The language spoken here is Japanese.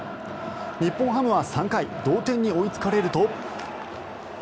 日本ハムは３回同点に追いつかれると。